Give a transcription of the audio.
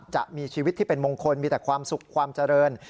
จะมีชีวิตที่เป็นมงคลมีแต่ความสุขความเจริญ